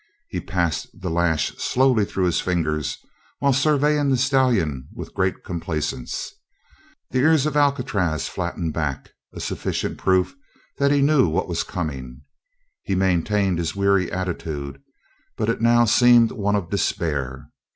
He passed the lash slowly through his fingers, while surveying the stallion with great complacence. The ears of Alcatraz flattened back, a sufficient proof that he knew what was coming; he maintained his weary attitude, but it now seemed one of despair.